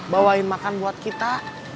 bawain makan buat kita